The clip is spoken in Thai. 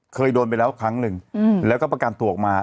เคยโดนไปแล้วครั้งหนึ่งแล้วก็ประกันตัวออกมา